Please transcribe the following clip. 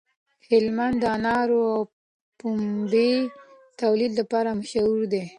هلمند د انارو او پنبې د تولید لپاره مشهور دی.